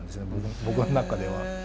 僕の中では。